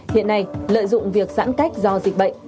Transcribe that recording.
hiện nay lợi dụng việc giãn cách do dịch bệnh